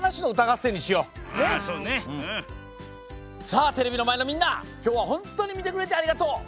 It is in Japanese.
さあテレビのまえのみんなきょうはほんとうにみてくれてありがとう！